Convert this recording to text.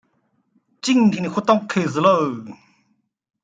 今天活动开始啰！